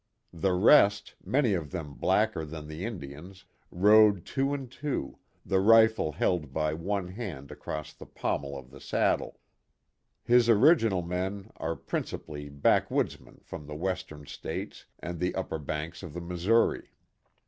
The rest, many of them blacker than the In dians, rode two and two, the rifle held by one hand across the pommel of the saddle. His original men are prin cipally backwoodsmen from the Western States and the upper banks of the Missouri.